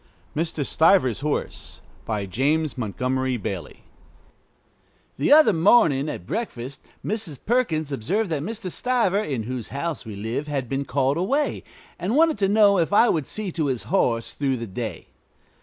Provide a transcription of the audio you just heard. MR. STIVER'S HORSE BY JAMES MONTGOMERY BAILEY The other morning at breakfast Mrs. Perkins observed that Mr. Stiver, in whose house we live, had been called away, and wanted to know if I would see to his horse through the day.